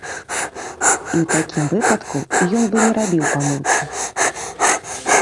І ў такім выпадку, ён бы не рабіў памылкі.